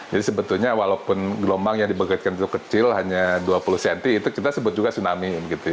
sebetulnya walaupun gelombang yang dibegetkan itu kecil hanya dua puluh cm itu kita sebut juga tsunami